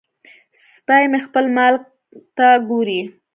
سپی مې خپل مالک ته ګوري.